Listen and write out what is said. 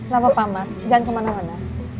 lama pak amar jangan kemana mana